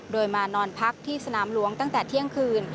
โดยมานอนพักที่สนามหลวงตั้งแต่เที่ยงคืน